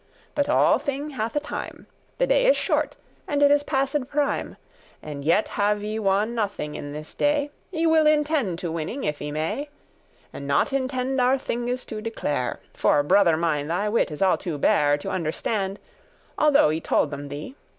"But all thing hath a time; The day is short and it is passed prime, And yet have I won nothing in this day; I will intend* to winning, if I may, *apply myself And not intend our thinges to declare: For, brother mine, thy wit is all too bare To understand, although I told them thee.